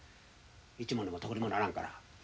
一文にも得にもならんからねっ。